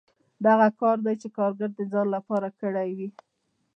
دا هغه کار دی چې کارګر د ځان لپاره کړی وي